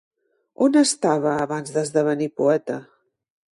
On estava abans d'esdevenir poeta?